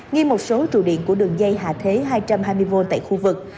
nghi một số trụ điện của đường dây hạ thế hai trăm hai mươi một tại khu vực